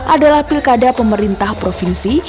adalah pilkada pemerintah provinsi